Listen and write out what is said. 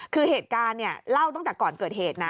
คือเหตุการณ์เล่าตั้งแต่ก่อนเกิดเหตุนะ